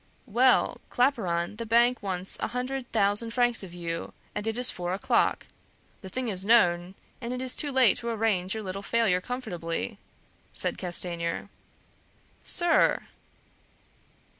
"Well, Claparon, the bank wants a hundred thousand francs of you, and it is four o'clock; the thing is known, and it is too late to arrange your little failure comfortably," said Castanier. "Sir!"